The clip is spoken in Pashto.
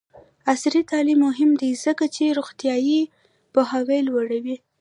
عصري تعلیم مهم دی ځکه چې روغتیایي پوهاوی لوړوي.